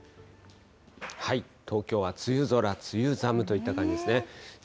東京は梅雨空、梅雨寒といった感じですね。